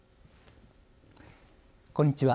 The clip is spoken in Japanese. こんにちは。